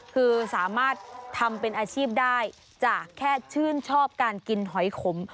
คือสามารถทำเป็นอาชีพได้จากแค่ชื่นชอบการกินหอยขม